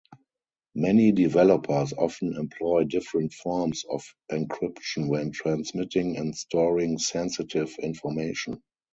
Many developers often employ different forms of encryption when transmitting and storing sensitive information.